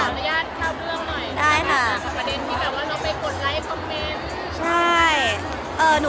ขอทรยศเข้าเรื่องหน่อย